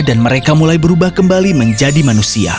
dan mereka mulai berubah kembali menjadi manusia